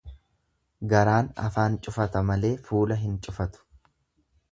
Garaan afaan cufata malee fuula hin cufatu.